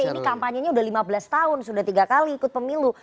ini kampanyenya sudah lima belas tahun sudah tiga kali ikut pemilu